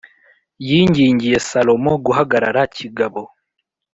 yingingiye salomo guhagarara kigabo,